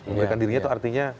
memberikan dirinya itu artinya